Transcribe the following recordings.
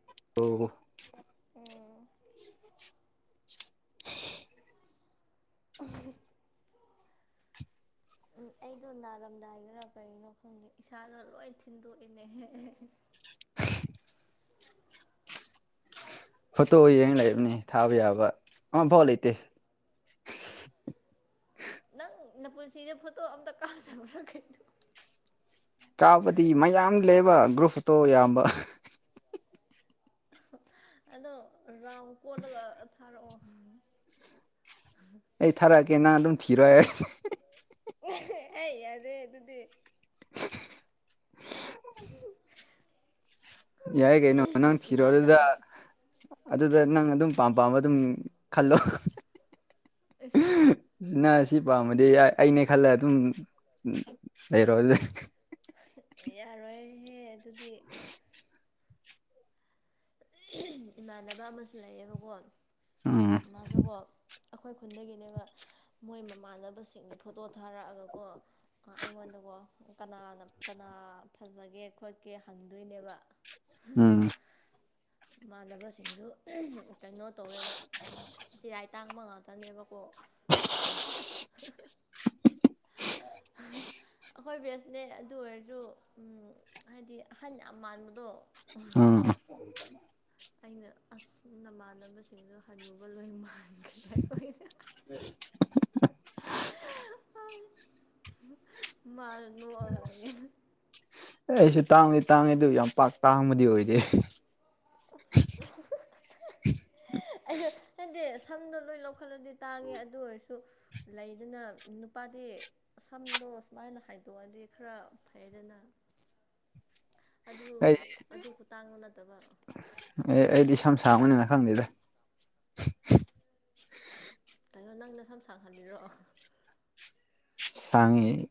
[unintelligible] ꯎꯝ [unintelligible] ꯑꯩꯗꯣ ꯅꯥꯔꯝꯗꯥꯏꯅꯔ ꯀꯩꯅꯣ ꯈꯪꯗꯦ ꯏꯁꯥꯗꯣ ꯂꯣꯏ ꯊꯤꯟꯗꯣꯛꯏꯅꯦ ꯐꯣꯇꯣ ꯌꯦꯡꯉ ꯂꯩꯕꯅꯤ ꯊꯥꯕ ꯌꯥꯕ ꯑꯐꯥꯎ ꯂꯩꯇꯦ ꯅ ꯄꯨꯟꯁꯤꯗꯦ ꯐꯣꯠꯇꯣ ꯑꯃꯇꯥ ꯀꯞꯇꯕꯔꯣ ꯀꯔꯤꯅꯣ ꯀꯥꯕꯗꯤ ꯃꯌꯥꯝ ꯂꯩꯕ ꯒ꯭ꯔꯨꯞꯇꯣ ꯑꯌꯥꯝꯕ ꯑꯗꯣ ꯔꯥꯎꯝ ꯀꯣꯠꯂꯒ ꯊꯥꯔꯛꯑꯣ ꯑꯩ ꯊꯥꯔꯛꯑꯀꯦ ꯅꯪ ꯑꯗꯨꯝ ꯊꯤꯔꯣꯏ ꯑꯩ ꯑꯩ ꯌꯥꯗꯦ ꯑꯗꯨꯗꯤ [unintelligible] ꯌꯥꯏꯒꯩꯅꯣ ꯅꯪ ꯊꯤꯔꯣ ꯑꯗꯨꯗ ꯏꯃꯥꯟꯅꯕ ꯑꯗꯨꯗ ꯅꯪ ꯑꯗꯨꯝ ꯄꯥꯝ ꯄꯥꯝꯕ ꯑꯗꯨꯝ ꯈꯜꯂꯣ ꯑꯁ ꯁꯤꯅ ꯁꯤ ꯄꯥꯝꯕꯗꯤ ꯑꯩꯅ ꯈꯜꯂ ꯑꯗꯨꯝ ꯂꯩꯔꯣ ꯑꯗꯨ ꯌꯥꯔꯣꯏꯍꯦ ꯑꯗꯨꯗꯤ ꯏꯃꯥꯟꯅꯕ ꯑꯃꯁꯨ ꯂꯩꯌꯦꯕꯀꯣ ꯎꯝ ꯃꯥꯁꯨꯀꯣ ꯑꯩꯈꯣꯏ ꯈꯨꯟꯗꯒꯤꯅꯦꯕ ꯃꯣꯏ ꯃꯃꯥꯟꯅꯕꯁꯤꯡꯗ ꯐꯣꯇꯣ ꯊꯥꯔꯛꯑꯒꯀꯣ ꯑꯩꯉꯣꯟꯗꯀꯣ ꯀꯅꯥꯅ ꯀꯅꯥ ꯐꯖꯒꯦ ꯈꯣꯠꯀꯦ ꯍꯟꯗꯣꯏꯅꯦꯕ ꯎꯝ ꯃꯥꯟꯅꯕꯁꯤꯡꯁꯨ ꯀꯩꯅꯣ ꯇꯧꯋꯦꯕ ꯆꯔꯥꯏ ꯇꯥꯡꯕ ꯉꯥꯛꯇꯅꯦꯕꯀꯣ ꯎꯝ ꯑꯩꯈꯣꯏ ꯕꯦꯁꯅꯦ ꯑꯗꯨ ꯑꯣꯏꯔꯁꯨ ꯍꯥꯏꯗꯤ ꯑꯍꯟ ꯌꯥꯝ ꯃꯥꯟꯕꯗꯣ ꯑ ꯑꯩꯅ ꯑꯁ ꯅꯃꯥꯟꯅꯕꯁꯤꯡꯗꯨꯣ ꯍꯜꯂꯨꯒ ꯂꯣꯏ ꯃꯥꯟꯈ꯭ꯔꯦ ꯎꯝ ꯃꯥꯅꯣꯉ ꯑꯦ ꯑꯩꯁꯨ ꯇꯥꯡꯗꯤ ꯇꯥꯡꯉꯤ ꯑꯗꯨ ꯌꯥꯝ ꯄꯥꯛ ꯇꯥꯡꯕꯗꯤ ꯑꯣꯏꯗꯦ [inaudible] ꯑꯩꯁꯨ ꯍꯥꯏꯗꯤ ꯁꯝꯗꯣ ꯂꯣꯏ ꯂꯧꯈꯠꯂꯗꯤ ꯇꯥꯡꯉꯦ ꯑꯗꯨ ꯑꯣꯏꯔꯁꯨ ꯂꯩꯗꯅ ꯅꯨꯄꯥꯗꯤ ꯁꯝꯗꯣ ꯁꯨꯃꯥꯏꯅ ꯍꯥꯏꯗꯣꯛꯑꯗꯤ ꯈꯔ ꯐꯩꯗꯅ ꯑꯗꯨ ꯑꯩ ꯑꯗꯨ ꯈꯨꯇꯥꯡꯗꯨ ꯅꯠꯇꯕ ꯑꯦ ꯑꯩꯗꯤ ꯁꯝ ꯁꯡꯕꯅꯤꯅ ꯈꯪꯗꯦꯗ ꯀꯩꯅꯣ ꯅꯪꯅ ꯁꯝ ꯁꯥꯡꯍꯜꯂꯤꯔꯣ ꯁꯪꯏꯍꯤ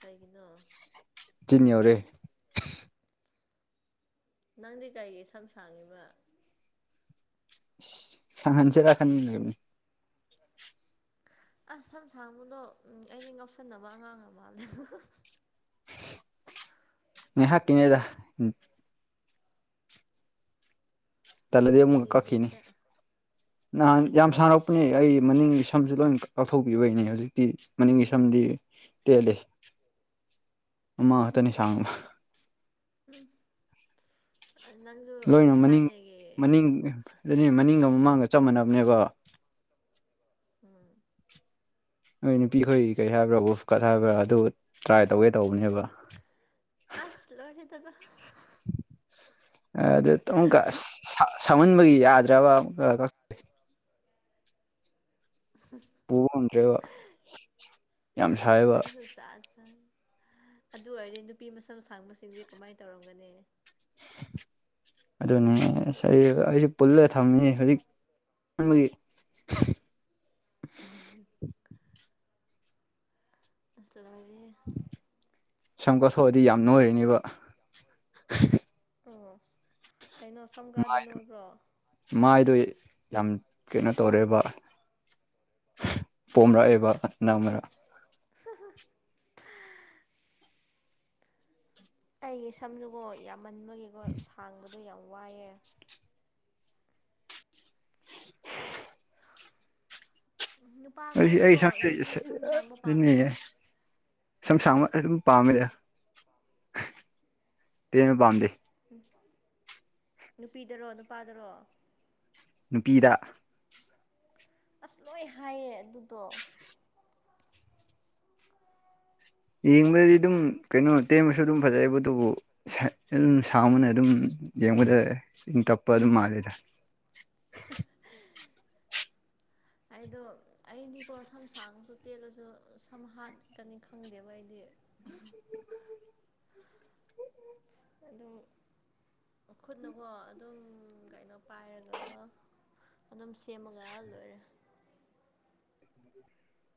ꯀꯩꯒꯤꯅꯣ ꯇꯅꯤ ꯑꯣꯔꯦ ꯅꯪꯗꯤ ꯀꯔꯤꯒꯤ ꯁꯝ ꯁꯥꯡꯉꯤꯕ ꯁꯪꯍꯟꯁꯤꯔꯥ ꯈꯟ ꯂꯤꯕꯅꯤ ꯑꯁ ꯁꯝ ꯁꯥꯡꯕꯗꯣ ꯑꯩꯗꯤ ꯉꯥꯎꯁꯟꯅꯕ ꯑꯉꯥꯡ ꯃꯥꯜꯂꯕ ꯅ ꯍꯥꯥꯛ ꯀꯅꯦꯗ ꯇꯂꯗꯤ ꯑꯃꯨꯛ ꯀꯥ ꯀꯔꯤ ꯀꯛ ꯈꯤꯅꯤ ꯕꯤꯠꯇ ꯅꯍꯥꯟ ꯌꯥꯝ ꯁꯥꯟꯔꯛꯄꯅꯦ ꯑꯩ ꯃꯅꯤꯡꯒꯤ ꯁꯝꯁꯨ ꯂꯣꯏ ꯀꯥꯛꯊꯣꯛꯄꯤꯕꯩꯅꯦ ꯍꯧꯖꯤꯛꯇꯤ ꯃꯅꯤꯡꯒꯤ ꯁꯝꯗꯤ ꯇꯦꯜꯂꯦ ꯃꯃꯥ ꯉꯥꯛꯇꯅꯤ ꯁꯥꯡꯕ ꯎꯝ ꯅꯪꯁꯨ ꯊꯥꯏꯅꯒꯤ ꯎꯝ ꯑꯗꯨꯅꯦ ꯃꯅꯤꯡꯒ ꯃꯃꯥꯡꯒ ꯆꯞ ꯃꯅꯕꯅꯦꯕ ꯎꯝ ꯅꯣꯏ ꯅꯨꯄꯤꯈꯣꯏ ꯀꯔꯤ ꯍꯥꯏꯕ꯭ꯔꯥ ꯕꯨꯐꯀꯠ ꯍꯥꯏꯕ꯭ꯔꯥ ꯑꯗꯨ ꯇ꯭ꯔꯥꯏ ꯇꯧꯒꯦ ꯇꯧꯕꯅꯦꯕ ꯑꯁ ꯂꯣꯏꯔꯦ ꯗꯅꯥ ꯑꯗꯨ ꯑꯃꯛꯀ ꯁꯪꯍꯟꯕꯒꯤ ꯌꯥꯗ꯭ꯔꯕ ꯄꯨꯕ ꯉꯝꯗ꯭ꯔꯦꯕ ꯌꯥꯝ ꯁꯥꯏꯕ ꯅꯔꯨꯁꯥꯁꯟ ꯑꯗꯨ ꯑꯣꯏꯔꯦ ꯅꯨꯄꯤ ꯃꯁꯝ ꯁꯥꯡꯕꯁꯤꯡꯁꯦ ꯀꯃꯥꯏꯅ ꯇꯧꯔꯝꯒꯅꯤ [inaudible] ꯑꯗꯨꯅꯦꯁ ꯑꯩꯁꯨ ꯄꯨꯜꯂ ꯊꯝꯃꯤ ꯍꯧꯖꯤꯛꯒꯤ ꯑꯁꯗꯦ ꯁꯝ ꯀꯠꯊꯣꯛꯑꯗꯤ ꯌꯥꯝ ꯅꯣꯏꯔꯅꯦꯕ ꯑꯣ ꯀꯩꯅꯣ ꯁꯝꯀꯗꯤ ꯅ ꯑꯣꯏꯕ꯭ꯔꯣ ꯃꯥꯏꯗꯣ ꯌꯥꯝ ꯀꯩꯅꯣ ꯇꯧꯔꯦꯕ ꯄꯣꯝꯔꯛꯑꯦꯕ ꯍꯟꯗꯛ ꯍ ꯃꯔꯛ ꯑꯩꯒꯤ ꯁꯝꯗꯨꯀꯣ ꯌꯥꯝꯃꯟꯕꯒꯤꯀꯣ ꯁꯥꯡꯕꯗꯣ ꯌꯥꯝ ꯋꯥꯏꯑꯦ ꯎꯝ ꯑꯩ ꯑꯩ ꯏꯁꯇ ꯑꯗꯨꯅꯤꯌꯦ ꯄꯥꯝꯃꯦꯀꯣ ꯁꯝ ꯁꯥꯡꯕ ꯑꯗꯨꯝ ꯄꯥꯝꯃꯦ ꯇꯦꯟꯕ ꯄꯥꯝꯗꯦ ꯎꯝ ꯅꯨꯄꯤꯗꯔꯣ ꯅꯨꯄꯥꯗꯔꯣ ꯅꯨꯄꯤꯗ ꯑꯁ ꯂꯣꯏ ꯍꯥꯏꯌꯦ ꯑꯗꯨꯗꯣ ꯌꯦꯡꯕꯗꯗꯤ ꯑꯗꯨꯝ ꯀꯩꯅꯣ ꯇꯦꯟꯕꯁꯨ ꯑꯗꯨꯝ ꯐꯖꯩꯌꯦꯕ ꯑꯗꯨꯕꯨ ꯑꯗꯨꯝ ꯁꯕꯅ ꯑꯗꯨꯝ ꯌꯦꯡꯕꯗ ꯏꯪ ꯇꯞꯄ ꯑꯗꯨꯝ ꯃꯥꯜꯂꯦꯗ [inaudible] ꯑꯩꯗꯣ ꯑꯩꯗꯤꯀꯣ ꯁꯝ ꯁꯥꯡꯁꯨ ꯇꯦꯜꯂꯁꯨ ꯁꯝ ꯍꯥꯠꯀꯅꯤ ꯈꯪꯗꯦꯕ ꯑꯩꯗꯤ ꯎꯝ ꯑꯗꯣ ꯈꯨꯠꯅꯀꯣ ꯑꯗꯨꯝ ꯀꯩꯅꯣ ꯄꯥꯏꯔꯒ ꯑꯗꯨꯝ ꯁꯦꯝꯃꯒ ꯂꯣꯏꯔꯦ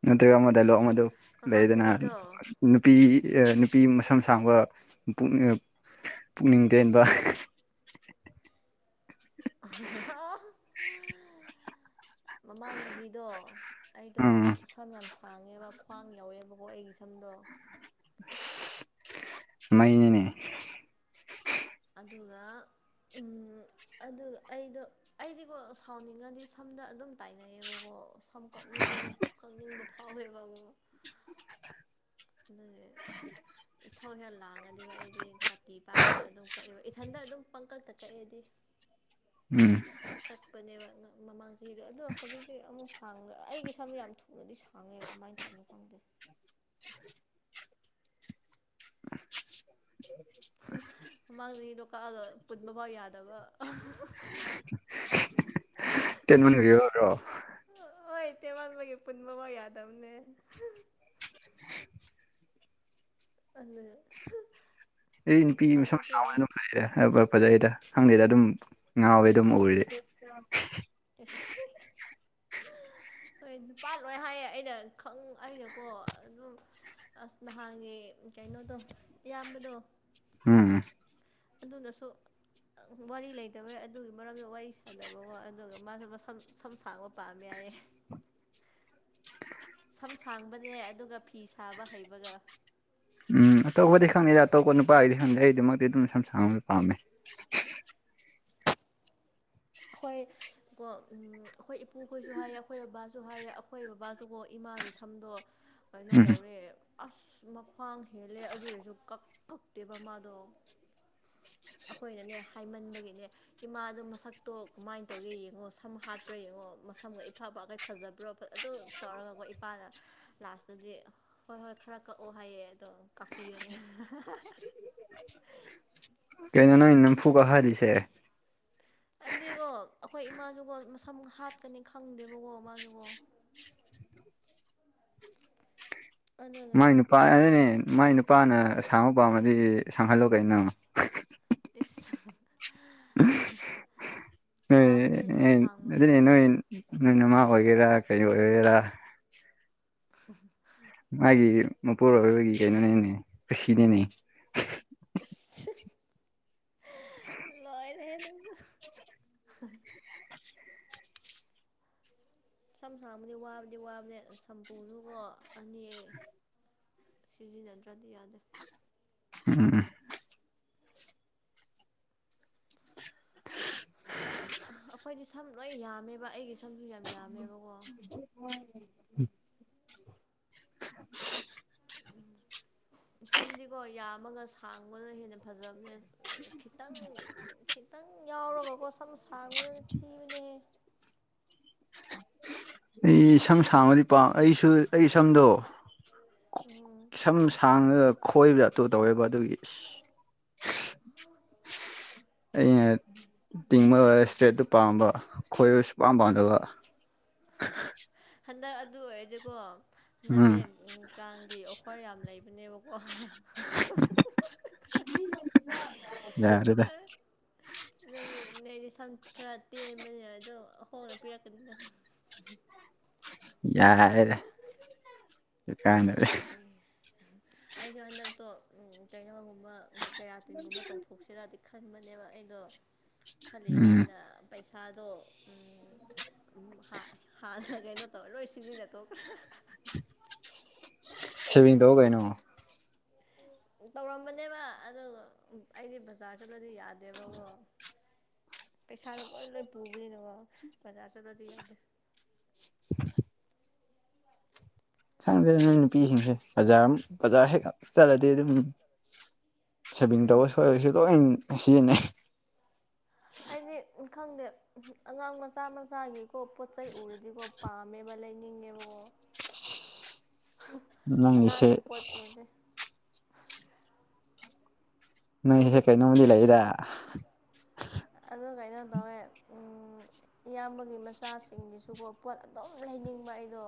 ꯅꯠꯇ꯭ꯔꯒ ꯑꯃꯗ ꯂꯣ ꯑꯃꯗꯨ ꯃꯃꯥꯡ ꯂꯩꯗꯅ ꯆꯍꯤꯗꯣ ꯅꯨꯄꯤ ꯅꯨꯄꯤ ꯃꯁꯝ ꯁꯥꯡꯕꯅꯤꯡ ꯄꯨꯛꯅꯤꯡ ꯇꯦꯟꯕ ꯃꯃꯥꯡ ꯆꯍꯤꯗꯣ ꯑꯩꯗꯣ ꯎꯝ ꯁꯝ ꯌꯥꯝ ꯁꯥꯡꯉꯦꯕ ꯈ꯭ꯋꯥꯡ ꯌꯥꯎꯋꯦꯕꯀꯣ ꯑꯩꯒꯤ ꯁꯝꯗꯣ ꯃꯅꯤꯅꯦ ꯑꯗꯨꯒ ꯑꯗꯨꯒ ꯑꯩꯗꯣ ꯑꯩꯗꯤꯀꯣ ꯁꯥꯎꯅꯤꯡꯉꯗꯤ ꯁꯝꯅ ꯑꯗꯨꯝ ꯇꯥꯏꯅꯩꯌꯦꯕꯀꯣ ꯁꯝ ꯀꯛꯅꯤꯡ ꯀꯪꯅꯤꯡꯕ ꯐꯥꯎ ꯍꯕꯕꯨ ꯑ ꯏꯁꯧ ꯍꯦꯛ ꯂꯥꯡꯉꯗꯤꯀꯣ ꯑꯩꯗꯤ ꯀꯥꯇꯤ ꯄꯥꯏꯔꯒ ꯑꯗꯨꯝ ꯀꯛꯑꯦꯕ ꯏꯊꯟꯇ ꯑꯗꯨꯝ ꯄꯪꯀꯛꯇ ꯀꯛꯑꯦꯗꯤ [unintelligible] ꯎꯝ ꯀꯛꯄꯅꯦꯕ ꯃꯃꯥꯡ ꯆꯍꯤꯗꯣ ꯑꯗꯣ ꯍꯧꯖꯤꯛꯇꯤ ꯑꯃꯨꯛ ꯁꯥꯡꯗ ꯑꯩꯒꯤ ꯁꯝ ꯌꯥꯝ ꯄꯨꯅꯗꯤ ꯁꯥꯡꯉꯦ ꯀꯃꯥꯏꯅ ꯇꯧꯕꯅꯣ ꯈꯪꯗꯦ ꯃꯃꯥꯡꯗꯒꯤꯗꯣ ꯀꯛꯑꯒ ꯄꯨꯟꯕꯐꯥꯎ ꯌꯥꯗꯕ ꯇꯦꯟ ꯃꯅꯤꯈ꯭ꯔꯣ ꯍꯣꯏ ꯏ ꯇꯦꯃꯟꯥꯟꯕꯒꯤ ꯄꯨꯟꯕꯐꯥꯎ ꯌꯥꯗꯕꯅꯦ ꯑꯗ ꯑꯩ ꯅꯨꯄꯤ ꯃꯁꯝ ꯆꯅ ꯑꯗꯨꯝ ꯂꯩꯩꯔꯦ ꯐꯖꯩꯗ ꯈꯪꯗꯦ ꯗ ꯑꯗꯨꯝ ꯉꯥꯎꯋꯦ ꯑꯗꯨꯝ ꯎꯔꯤꯗꯤ ꯑꯦꯁ ꯍꯣꯏ ꯅꯨꯄꯥ ꯂꯣꯏ ꯍꯥꯏꯌꯦ ꯑꯩꯅ ꯈꯪ ꯑꯩꯅꯀꯣ ꯑꯗꯨꯝ ꯑꯁ ꯅꯍꯥꯟꯒꯤ ꯀꯩꯅꯣꯗꯣ ꯏꯌꯥꯝꯕꯗꯣ ꯎꯝ ꯑꯗꯨꯅꯁꯨ ꯋꯥꯔꯤ ꯂꯩꯇꯕ ꯑꯗꯨꯒꯤ ꯃꯔꯝꯗ ꯋꯥꯔꯤ ꯁꯥꯗꯕ ꯋꯥꯣ ꯑꯗꯨꯒ ꯃꯥꯁꯨ ꯃꯁꯝ ꯁꯝ ꯁꯥꯡꯕ ꯄꯥꯝꯃꯦ ꯌꯥꯏꯌꯦ ꯁꯝ ꯁꯥꯡꯕꯅꯦ ꯑꯗꯨꯒ ꯐꯤ ꯁꯥꯕ ꯍꯩꯕꯒ ꯎꯝ ꯑꯇꯣꯞꯄꯗꯤ ꯈꯪꯗꯦꯗ ꯑꯇꯣꯞꯄ ꯅꯨꯄꯥꯒꯤꯗꯤ ꯈꯪꯗꯦ ꯑꯩ ꯑꯗꯨꯃꯛꯇꯤ ꯑꯗꯨꯝ ꯁꯝ ꯁꯥꯡ ꯄꯥꯝꯃꯦ ꯑꯈꯣꯏ ꯀꯣ ꯎꯝ ꯑꯈꯣꯏ ꯏꯄꯨꯈꯣꯏꯁꯨ ꯍꯥꯏꯌꯦ ꯑꯈꯣꯏ ꯕꯕꯥꯁꯨ ꯍꯥꯏꯌꯦ ꯑꯈꯣꯏ ꯕꯕꯥꯁꯨꯀꯣ ꯏꯃꯥꯒꯤꯁꯨ ꯁꯝꯗꯣ ꯀꯩꯅꯣ ꯎꯝ ꯌꯧꯔꯦ ꯑꯁ ꯃꯈ꯭ꯋꯥꯡ ꯍꯦꯜꯂꯦ ꯑꯗꯨ ꯑꯣꯏꯔꯁꯨ ꯀꯛ ꯀꯛꯇꯦꯕ ꯃꯥꯗꯣ ꯑꯈꯣꯏꯅꯅꯦ ꯍꯥꯏꯃꯟꯕꯒꯤꯅꯦ ꯏꯃꯥꯗꯣ ꯃꯁꯛ ꯇꯣ ꯀꯃꯥꯏ ꯇꯧꯒꯦ ꯌꯦꯡꯉꯣ ꯁꯝ ꯍꯥꯠꯄ꯭ꯔꯥ ꯌꯦꯡꯉꯣ ꯃꯁꯝꯒ ꯏꯐꯥ ꯐꯥꯒꯩ ꯐꯖꯕ꯭ꯔꯣ ꯑꯗꯨ ꯇꯧꯔꯒꯀꯣ ꯏꯄꯥꯗ ꯂꯥꯁꯇꯗꯤ ꯍꯣꯏ ꯍꯣꯏ ꯈꯔ ꯀꯛꯑꯣ ꯍꯥꯏꯌꯦ ꯑꯗꯣ ꯀꯛꯄꯤꯌꯨꯅꯦ ꯅꯪ ꯐꯨꯕ ꯍꯥꯏꯔꯤꯁꯦ ꯍꯥꯏꯕꯗꯤꯒꯣ ꯑꯈꯣꯏ ꯏꯃꯥꯖꯨꯀꯣ ꯃꯁꯝ ꯍꯥꯠꯀꯅꯤ ꯈꯪꯗꯦꯕꯀꯣ ꯃꯥꯖꯨꯒꯣ [unintelligible] ꯃꯥꯏ ꯅꯨꯄꯥ ꯑꯗꯨꯅꯦ ꯃꯥꯏ ꯅꯨꯄꯥꯅ ꯑꯁꯥꯡꯕ ꯄꯥꯝꯃꯗꯤ ꯁꯥꯡꯍꯜꯂꯣ ꯀꯩꯅꯣ ꯏꯁ ꯋꯥꯕꯅꯦ ꯁꯝ ꯁꯥꯡꯕꯁꯨ ꯎ ꯃꯥ ꯑꯣꯏꯒꯦꯔꯥ ꯀꯩ ꯑꯣꯏꯒꯦꯔꯥ [unintelligible] ꯃꯥꯒꯤ ꯃꯄꯨꯔꯣꯏꯕꯒꯤ ꯀꯩꯅꯣꯅꯤꯅꯦ ꯀꯨꯁꯤꯅꯤꯅꯦ ꯏꯁ ꯂꯣꯏꯔꯦꯍꯦ ꯅꯪꯖꯨ ꯁꯝ ꯁꯥꯡꯕꯗꯤ ꯋꯥꯕꯗꯤ ꯋꯥꯕꯅꯦ ꯁꯝꯄꯨꯁꯨꯀꯣ ꯑꯅꯤ ꯁꯤꯖꯤꯟꯅꯗ꯭ꯔꯗꯤ ꯌꯥꯗꯦ ꯎꯝ ꯑꯩꯈꯣꯏꯗꯤ ꯁꯝ ꯂꯣꯏ ꯌꯥꯝꯃꯦꯕ ꯑꯩꯒꯤ ꯁꯝꯁꯨ ꯌꯥꯝ ꯌꯥꯝꯃꯦꯕꯀꯣ ꯎꯝ ꯁꯝꯗꯤꯀꯣ ꯌꯥꯝꯃꯒ ꯁꯥꯡꯕꯅ ꯍꯦꯟꯅ ꯐꯖꯕꯅꯦ ꯈꯤꯇꯪ ꯈꯤꯇꯪ ꯌꯥꯎꯔꯒꯀꯣ ꯁꯝ ꯁꯥꯡꯕꯗꯨꯅ ꯊꯤꯕꯨꯅꯦꯍ ꯑꯩ ꯁꯝ ꯁꯥꯡꯕꯗꯤ ꯄꯥꯝ ꯑꯩꯁꯨ ꯑꯩ ꯁꯝꯗꯣ ꯎꯝ ꯁꯝ ꯁꯥꯡꯉꯒ ꯈꯣꯏꯕ ꯇꯣ ꯇꯧꯋꯦꯕ ꯑꯗꯨꯒꯤ ꯏꯁ ꯑꯩꯅ ꯇꯤꯡꯕ ꯂꯣꯢꯔꯥ ꯏꯁꯇ꯭ꯔꯦꯠꯇꯨ ꯄꯥꯝꯕ ꯈꯣꯏꯕ ꯁꯨꯄꯥꯝ ꯄꯥꯝꯗꯕ ꯍꯟꯗꯛ ꯑꯗꯨ ꯑꯣꯏꯔꯗꯤꯀꯣ ꯎꯝ ꯍꯟꯗꯛꯁꯦ ꯀꯥꯡꯒꯤ ꯄꯔ ꯌꯥꯝ ꯂꯩꯕꯅꯦꯕꯀꯣ ꯌꯥꯔꯦꯗ ꯅꯪꯗꯤ ꯅꯣꯏꯗꯤ ꯁꯝ ꯈꯔ ꯇꯦꯟꯕꯅꯦꯅ ꯑꯗꯣ ꯍꯣꯡꯅ ꯄꯤꯔꯛꯀꯅꯤꯗ ꯌꯥꯔꯦꯔꯦ ꯀꯅꯔꯦ ꯑꯩ ꯑꯩꯁꯨꯦ ꯍꯟꯗꯛꯇꯣ ꯀꯩꯅꯣꯒꯨꯝꯕ ꯀꯦꯔꯥꯇꯤꯟꯒꯨꯝꯕ ꯇꯧꯊꯣꯛ ꯁꯤꯔꯗꯤ ꯈꯟꯕꯅꯦꯕ ꯑꯩꯗꯣ ꯎꯝ ꯈꯜꯂꯤꯀꯥꯟꯗ ꯄꯩꯁꯥꯗꯣ ꯍꯥ ꯍꯥꯟꯅ ꯀꯩꯅꯣ ꯇꯧꯔꯦ ꯂꯣꯏ ꯁꯤꯖꯤꯟꯅ ꯊꯣꯈꯔ꯭ꯦ ꯁꯤꯦꯕꯤꯗꯧ ꯀꯩꯅꯩꯅꯣ ꯇꯧꯔꯝꯕꯅꯦꯕ ꯑ ꯑꯩꯗꯤ ꯕꯖꯥꯔ ꯆꯠꯂꯗꯤ ꯌꯥꯗꯦꯕꯀꯣ ꯄꯩꯁꯥꯗꯣ ꯂꯣꯏ ꯂꯣꯏ ꯄꯨꯕꯅꯤꯅꯀꯣ ꯕꯖꯥꯔ ꯆꯠꯂꯗꯤ ꯌꯥꯗꯦ ꯁꯪꯗꯦ ꯅꯣꯏ ꯅꯨꯄꯤꯁꯤꯡꯁꯦ ꯕꯖꯥꯔ ꯕꯖꯥꯔ ꯍꯦꯛ ꯆꯠꯂꯗꯤ ꯑꯗꯨꯝ ꯁꯦꯚꯤꯡ ꯇꯧꯕ ꯁꯣꯏꯕꯁꯨ ꯂꯣꯏ ꯁꯤꯖꯤꯟꯅꯩ ꯑꯩꯗꯤ ꯈꯪꯗꯦ ꯑꯉꯥꯡ ꯃꯆꯥ ꯃꯆꯥꯒꯤꯀꯣ ꯄꯣꯠ ꯆꯩꯩ ꯎꯔꯗꯤꯀꯣ ꯄꯥꯝꯃꯦꯕ ꯂꯩꯅꯤꯡꯉꯦꯕꯀꯣ ꯅꯪꯒꯤꯁꯦ ꯑꯉꯥꯡꯒꯤ ꯄꯣꯠꯄꯗꯤꯦ ꯅꯪꯒꯤꯁꯦ ꯀꯩꯅꯣꯝꯗꯤ ꯂꯩꯗ ꯑꯗꯨ ꯀꯩꯅꯣ ꯇꯧꯋꯦ ꯏꯌꯥꯝꯕꯒꯤ ꯃꯆꯥꯁꯤꯡꯁꯤꯁꯨꯀꯣ ꯄꯣꯠ ꯑꯗꯨꯝ ꯂꯩꯅꯤꯡꯕ ꯑꯩꯗꯣ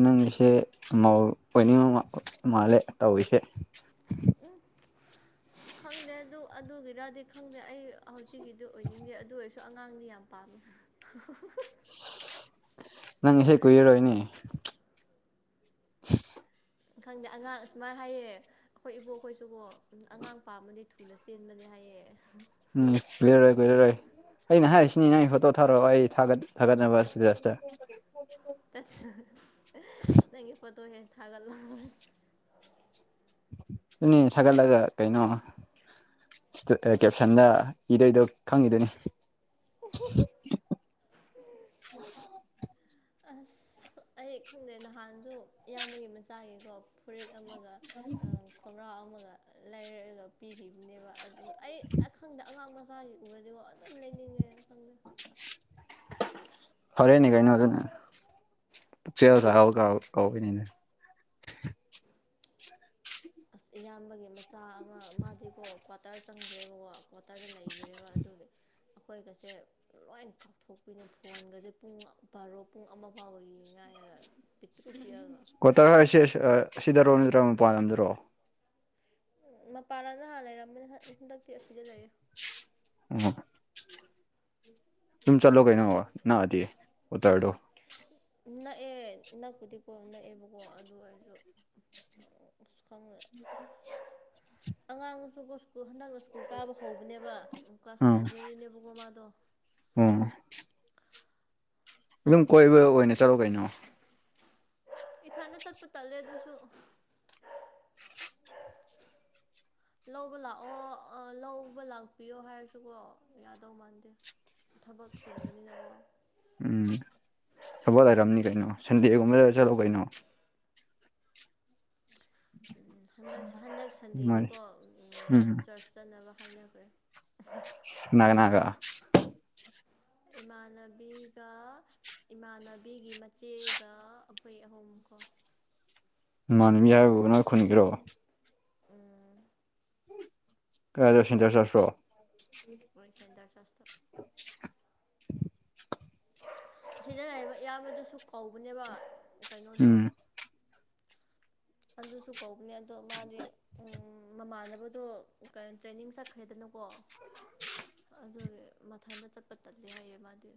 ꯅꯪꯒꯤꯁꯦꯧ ꯑꯣꯏꯅꯤꯡꯕ ꯃꯥꯜꯂꯦ ꯇꯧꯔꯤꯁꯦ ꯎꯝ ꯈꯪꯗꯦ ꯑꯗꯨ ꯑꯗꯨꯒꯤꯔꯗꯤ ꯈꯪꯗꯦ ꯑꯩ ꯍꯧꯖꯤꯛꯀꯤꯗꯤ ꯑꯣꯏꯅꯤꯡꯗꯦ ꯑꯗꯨ ꯑꯣꯏꯔꯁꯨ ꯑꯉꯥꯡꯗꯤ ꯌꯥꯝ ꯄꯥꯝꯃꯤ ꯅꯪ ꯏꯁꯩ ꯀꯨꯏꯔꯔꯣꯏꯅꯦ ꯈꯪꯗꯦ ꯑꯉꯥꯡ ꯑꯁꯨꯃꯥꯏ ꯍꯥꯏꯌꯦ ꯑꯈꯣꯏ ꯏꯕꯣꯛꯈꯣꯏꯁꯨꯀꯣ ꯑꯉꯥꯡ ꯄꯥꯝꯃꯗꯤ ꯊꯨꯅ ꯆꯦꯟꯕꯅꯦ ꯍꯥꯏꯌꯦ ꯎꯝ ꯀꯨꯔꯔꯣꯏ ꯀꯨꯏꯔꯔꯣꯏ ꯑꯩꯅ ꯍꯥꯏꯔꯤꯁꯤꯅꯤꯅ ꯑꯩ ꯐꯣꯇꯣ ꯊꯥꯔꯛꯑꯣ ꯑꯩꯒꯠ ꯊꯥꯒꯠꯅꯕꯁꯇ ꯅꯪꯒꯤ ꯐꯣꯇꯣ ꯍꯦꯛ ꯊꯥꯒꯠꯂꯣ [unintelligible] ꯁꯥꯒꯠꯂꯒ ꯀꯩꯅꯣ ꯀꯦꯞꯁꯟꯗ ꯏꯗꯣꯏꯗꯣ ꯈꯪꯉꯤꯗꯨꯣꯏꯅꯤ [unintelligible] ꯑꯁ ꯑꯩ ꯈꯪꯗꯦ ꯅꯍꯥꯟꯁꯨ ꯏꯌꯥꯝꯕꯒꯤ ꯃꯆꯥꯒꯤꯀꯣ ꯐꯨꯔꯤꯠ ꯑꯃꯒ [unintelligible] ꯈꯣꯡꯒ꯭ꯔꯥꯎ ꯑꯃꯒ ꯂꯩꯔꯒ ꯄꯤꯈꯤꯕꯅꯦꯕ ꯑꯗꯨ ꯑꯩ ꯑꯈꯪꯗ ꯑꯉꯥꯡ ꯃꯥꯒꯤ ꯎꯔꯗꯤꯀꯣ ꯑꯗꯨꯝ ꯂꯩꯅꯤꯡꯉꯦꯅ ꯈꯪꯗꯦ ꯐꯔꯦꯅꯦ ꯀꯩꯅꯣ ꯑꯗꯨꯠ ꯄꯨꯛꯆꯦꯜ [unintelligible] ꯀꯧꯒꯅꯤꯅꯦ ꯑꯁ ꯏꯌꯥꯝꯕꯒꯤ ꯃꯆꯥ ꯑꯃ ꯃꯥꯗꯤꯀꯣ ꯀ꯭ꯋꯥꯇꯔ ꯆꯪꯒꯔꯦꯕꯀꯣ ꯀ꯭ꯋꯥꯇꯔꯗ ꯂꯩꯈ꯭ꯔꯦꯕ ꯑꯗꯨꯒꯤ ꯑꯩꯈꯣꯏꯒꯁꯦ ꯂꯣꯏ ꯀꯥꯞꯊꯣꯛꯄꯤꯅꯦ ꯐꯣꯟꯒꯁꯦ ꯄꯨꯡ ꯕꯥꯔꯣ ꯄꯨꯡ ꯑꯃ ꯐꯥꯎꯕ ꯌꯦꯡꯉꯥꯏ ꯄꯇ꯭ꯕ꯭ꯌꯥ ꯀꯋ꯭ꯥꯇꯔ ꯍꯥꯏꯁꯦ ꯑꯁꯤꯗꯔꯣ ꯅꯠꯇ꯭ꯔꯥ ꯃꯄꯥꯟ ꯂꯝꯗꯔꯣ ꯎꯝ ꯃꯄꯥꯟ ꯂꯝꯗ ꯍꯥꯟ ꯂꯩꯔꯝꯕꯅꯤ ꯍꯟꯗꯛꯇꯤ ꯑꯁꯤꯗ ꯂꯩꯌꯦ ꯎꯝ ꯑꯗꯨꯝ ꯆꯠꯂꯣ ꯀꯩꯅꯣ ꯅꯅꯥꯑꯗꯤ ꯎꯇꯔꯗꯣ ꯅꯛꯑꯦ ꯅꯛꯄꯨꯗꯤꯀꯣ ꯅꯛꯑꯦꯕꯀꯣ ꯑꯗꯨ ꯑꯣꯏꯔꯁꯨ ꯑꯁ ꯈꯪꯗꯦ ꯑꯉꯥꯡꯁꯨꯀꯣ ꯁ꯭ꯀꯨꯜ ꯍꯟꯗꯛꯅ ꯁ꯭ꯀꯨꯜ ꯀꯥꯕ ꯍꯧꯕꯅꯦꯕ ꯄꯀꯥꯁ ꯅꯔꯖꯔꯤꯅꯦꯦꯕꯒꯃꯥꯗꯣ ꯑꯎ ꯑꯗꯨꯝ ꯀꯣꯏꯕ ꯑꯣꯏꯅ ꯆꯠꯂꯣ ꯀꯩꯅꯣ ꯏꯊꯟꯗ ꯆꯠꯄ ꯇꯠꯂꯦ ꯑꯗꯨꯁꯨ ꯂꯧꯕ ꯂꯥꯛꯑꯣ ꯑꯥ ꯂꯧꯕ ꯂꯥꯛꯄꯤꯌꯣ ꯍꯥꯏꯔꯁꯨꯀꯣ ꯌꯥꯗꯧ ꯃꯥꯟꯗꯦ ꯊꯕꯛ ꯆꯤꯟꯕꯅꯤꯅꯥꯀꯣ ꯎꯝ ꯊꯕꯣ ꯂꯩꯔꯝꯅꯤ ꯀꯩꯅꯣ ꯁꯟꯗꯦꯒꯨꯝꯕꯗ ꯆꯠꯂꯣ ꯀꯩꯅꯣ ꯎꯝ ꯍꯟꯗꯛ ꯍꯟꯗꯛ ꯑꯗꯨꯃꯥꯏ ꯁꯟꯗꯦꯗꯤꯀꯣ ꯎꯝ ꯆꯔꯆ ꯆꯠꯅꯕ ꯍꯥꯏꯅꯈ꯭ꯔꯦ ꯏꯁ ꯀꯅꯥ ꯀꯅꯥꯒ ꯏꯃꯥꯟꯅꯕꯤꯒ ꯏꯃꯥꯟꯅꯕꯤꯒꯤ ꯃꯆꯦꯒ ꯑꯈꯣꯏ ꯑꯍꯨꯝ ꯀꯣ ꯏ ꯃꯥꯟꯅꯕꯤ ꯍꯥꯏꯕꯕꯨ ꯅꯪ ꯈꯨꯟꯒꯤꯔꯣꯑꯣ ꯎꯝ [unintelligible] ꯑꯩꯣꯏ ꯁꯦꯟꯇꯔ ꯆꯋꯥꯁꯇꯕ ꯁꯤꯗ ꯂꯩꯕ ꯏꯌꯥꯝꯕꯗꯨꯁꯨ ꯀꯧꯕꯅꯦꯕ ꯀꯩꯅꯣꯗꯣ ꯎꯝ ꯑꯗꯨꯁꯨ ꯀꯧꯕꯅꯦ ꯑꯗꯣ ꯃꯥꯁꯦ ꯃꯃꯥꯟꯅꯕꯗꯣ ꯇ꯭ꯔꯦꯅꯤꯡ ꯆꯠꯈ꯭ꯔꯦꯗꯅꯀꯣ ꯑꯗꯨꯒꯤ ꯃꯊꯟꯇ ꯆꯠꯄ ꯆꯠꯂꯦ ꯍꯥꯏꯌꯦ ꯃꯥꯗꯤ